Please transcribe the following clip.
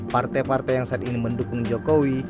partai partai yang saat ini mendukung jokowi